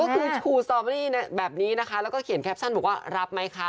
ก็คือชูสตอเบอรี่แบบนี้นะคะแล้วก็เขียนแคปชั่นบอกว่ารับไหมคะ